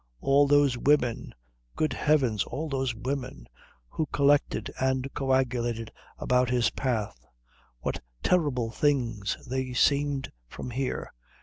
All those women good heavens, all those women who collected and coagulated about his path, what terrible things they seemed from here!